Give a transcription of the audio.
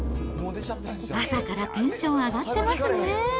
朝からテンション上がってますね。